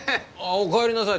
お帰りなさい。